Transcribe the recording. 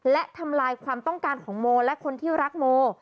และทำลายความต้องการของโมและคนที่รักโม